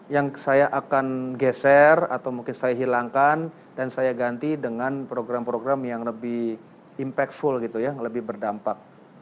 yang saya akan geser atau mungkin saya hilangkan dan saya ganti dengan program program yang lebih impactful gitu ya lebih berdampak